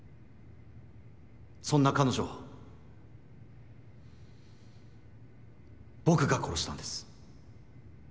そんな彼女を僕が殺したんです。